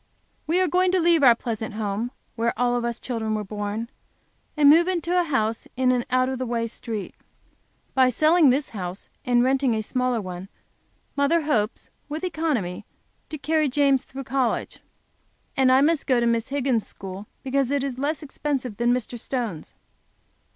We are going to leave our pleasant home, where all of us children were born, and move into a house in an out of the way street. By selling this, and renting a smaller one, mother hopes, with economy, to carry James through college. And I must go to Miss Higgins' school because it is less expensive than Mr. Stone's.